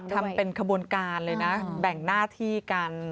ทำเป็นขบวนการเลยนะแบ่งหน้าที่กัน